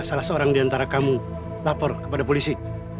salah seorang diantara kamu lapor kepada polisi